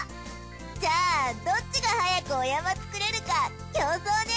じゃあどっちが早くお山作れるか競争ね！